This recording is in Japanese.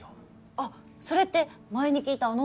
あっそれって前に聞いたあの？